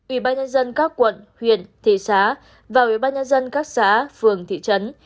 ủy ban nhân dân các quận huyện thị xã và ủy ban nhân dân các xã phường thị trấn